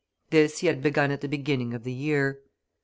This he had begun at the beginning of the year.